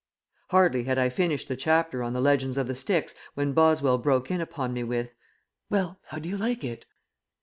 Hardly had I finished the chapter on the legends of the Styx when Boswell broke in upon me with: "Well, how do you like it?"